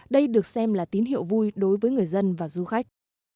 đây được xem là tín hiệu vui đối với người dân và du khách